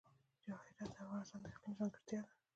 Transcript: جواهرات د افغانستان د اقلیم ځانګړتیا ده.